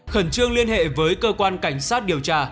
khẩn trương liên hệ với cơ quan cảnh sát điều tra